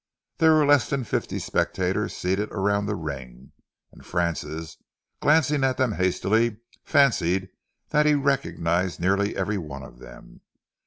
There were less than fifty spectators seated around the ring, and Francis, glancing at them hastily, fancied that he recognised nearly every one of them.